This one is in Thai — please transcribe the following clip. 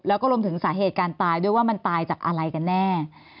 แล้วก็รวมถึงสาเหตุการณ์ตายด้วยว่ามันตายจากอะไรกันแน่